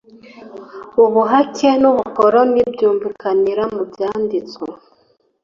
ubuhake n'ubukoloni byumvikanira mu byanditswe